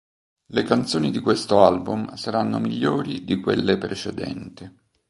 Le canzoni di questo album saranno migliori di quelle precedenti.